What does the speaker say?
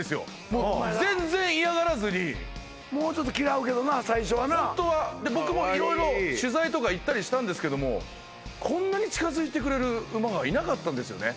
もう全然嫌がらずにもうちょっと嫌うけどな最初はな僕も色々取材とか行ったりしたんですけどもこんなに近づいてくれる馬がいなかったんですよね